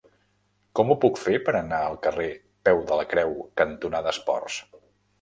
Com ho puc fer per anar al carrer Peu de la Creu cantonada Esports?